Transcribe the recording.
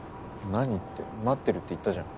何って待ってるって言ったじゃん。